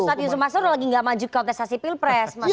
ustadz yusuf mansur lagi enggak maju ke otestasi pilpres mas iqbal